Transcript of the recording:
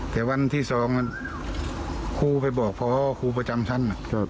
แต่วันที่๒ครูไปบอกพอครูประจำชั้น